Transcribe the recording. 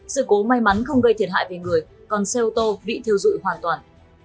sự cố may mắn không gây thiệt hại về người còn xe ô tô bị thiêu dụi hoàn toàn